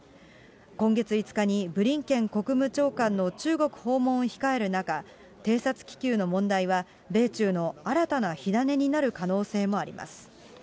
今月５日にブリンケン国務長官の中国訪問を控える中、偵察気球の問題は、米中の新たな火種になる可能性もあります。